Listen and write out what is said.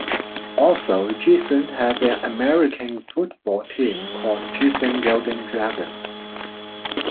Also, Giessen has an American football team called Giessen Golden Dragons.